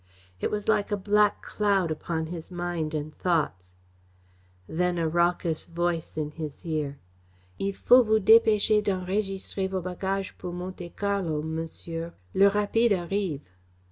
It was like a black cloud upon his mind and thoughts. Then a raucous voice in his ear: "Il faut vous dépêcher d'enregistrer vos bagages pour Monte Carlo, monsieur. Le Rapide arrive."